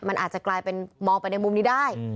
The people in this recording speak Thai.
มันอาจจะกลายเป็นมองไปในมุมนี้ได้